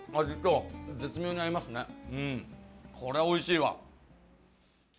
これはおいしいわ。